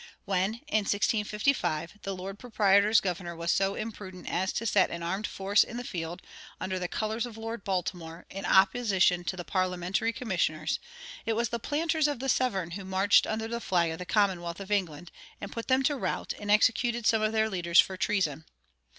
When, in 1655, the lord proprietor's governor was so imprudent as to set an armed force in the field, under the colors of Lord Baltimore, in opposition to the parliamentary commissioners, it was the planters of the Severn who marched under the flag of the commonwealth of England, and put them to rout, and executed some of their leaders for treason.